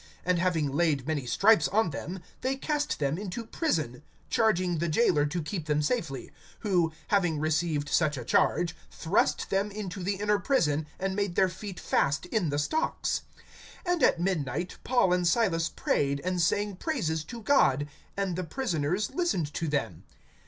(23)And having laid many stripes on them, they cast them into prison, charging the jailer to keep them safely; (24)who, having received such a charge, thrust them into the inner prison, and made their feet fast in the stocks. (25)And at midnight Paul and Silas prayed, and sang praises to God; and the prisoners listened to them.